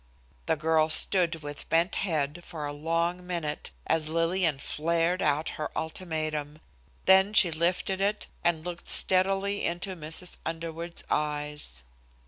The girl stood with bent head for a long minute, as Lillian flared out her ultimatum, then she lifted it and looked steadily into Mrs. Underwood's eyes.